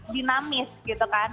dinamis gitu kan